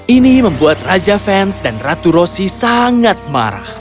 ini membuat raja vance dan ratu rosie sangat marah